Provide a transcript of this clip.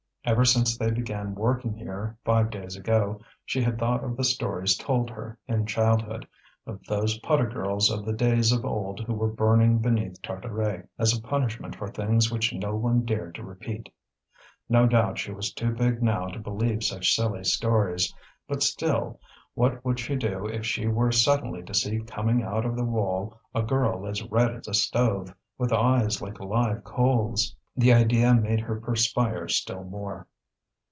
Ever since they began working here, five days ago, she had thought of the stories told her in childhood, of those putter girls of the days of old who were burning beneath Tartaret, as a punishment for things which no one dared to repeat. No doubt she was too big now to believe such silly stories; but still, what would she do if she were suddenly to see coming out of the wall a girl as red as a stove, with eyes like live coals? The idea made her perspire still more.